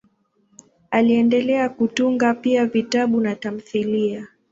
Aliendelea kutunga pia vitabu na tamthiliya.